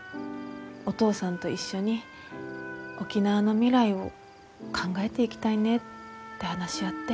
お父さんと一緒に沖縄の未来を考えていきたいねって話し合って。